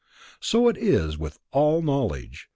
So is it with all knowledge.